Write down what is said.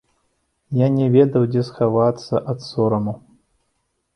Я не ведаў, дзе схавацца ад сораму.